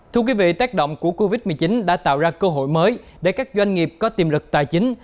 thưa quý vị tác động của covid một mươi chín đã tạo ra cơ hội mới để các doanh nghiệp có tiềm lực tài chính